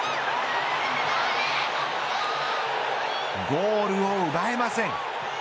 ゴールを奪えません。